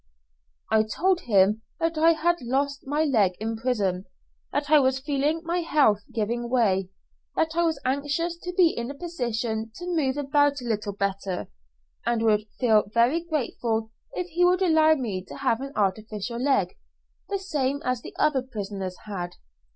I told him that I had lost my leg in prison, that I was feeling my health giving way, that I was anxious to be in a position to move about a little better, and would feel very grateful if he would allow me to have an artificial leg, the same as the other prisoners had.